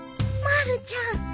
まるちゃん。